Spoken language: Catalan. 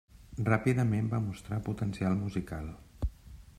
Ràpidament va mostrar potencial musical.